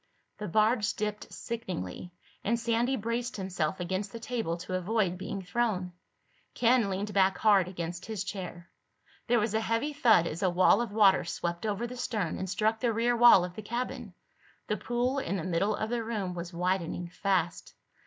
The barge dipped sickeningly and Sandy braced himself against the table to avoid being thrown. Ken leaned back hard against his chair. There was a heavy thud as a wall of water swept over the stern and struck the rear wall of the cabin. The pool in the middle of the room was widening fast.